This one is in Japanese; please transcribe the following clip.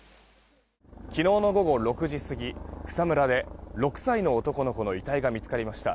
昨日の午後６時過ぎ草むらで６歳の男の子の遺体が見つかりました。